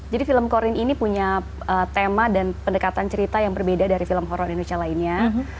jadi film corin ini punya tema dan pendekatan cerita yang berbeda dari film horror indonesia lainnya